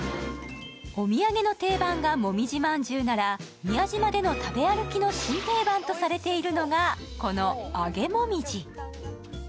お土産の定番がもみじ饅頭なら、宮島での食べ歩きの新定番とされているのがこの揚げもみじ。